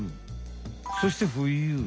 そして冬。